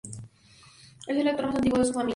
Él es el actor más antiguo de su familia.